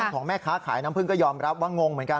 ของแม่ค้าขายน้ำพึ่งก็ยอมรับว่างงเหมือนกัน